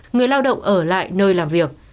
người lao động ở lại nơi làm việc